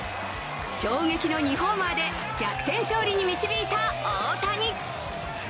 衝撃の２ホーマーで逆転勝利に導いた大谷。